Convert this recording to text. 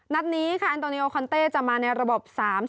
นัดนี้ค่ะแอนโตเนียโอคอนเต้จะมาในระบบ๓๐